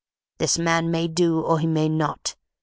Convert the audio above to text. This man may do or he may not.